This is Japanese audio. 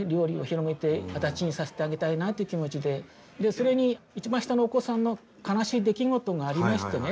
それに一番下のお子さんの悲しい出来事がありましてね。